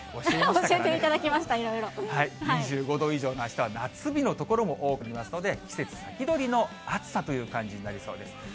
教えていただきました、２５度以上のあしたは夏日の所も多くなりますので、季節先取りの暑さという感じになりそうです。